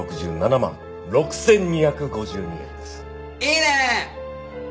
いいねえ！